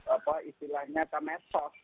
apa istilahnya ke medsos